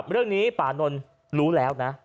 เรื่องนี้ป่านนท์รู้แล้วนะ